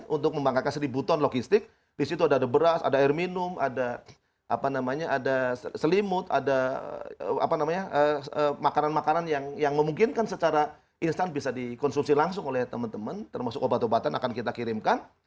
untuk membangkakan seribu ton logistik disitu ada beras ada air minum ada selimut ada makanan makanan yang memungkinkan secara instan bisa dikonsumsi langsung oleh teman teman termasuk obat obatan akan kita kirimkan